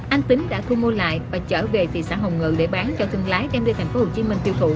anh tính đã thu mua lại và trở về thị xã hồng ngự để bán cho thương lái đem đi tp hcm tiêu thụ